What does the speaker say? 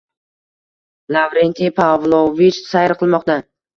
Lavrentiy Pavlovich sayr qilmoqda.